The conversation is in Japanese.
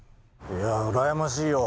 いやうらやましいよ。